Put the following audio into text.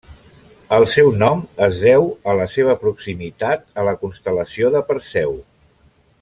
El seu nom es deu a la seva proximitat a la constel·lació de Perseu.